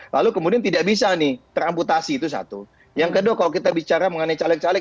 lalu kemudian tidak bisa nih teramputasi itu satu yang kedua kalau kita bicara mengenai caleg caleg